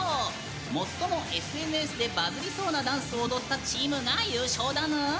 最もＳＮＳでバズりそうなダンスを踊ったチームが優勝だぬん。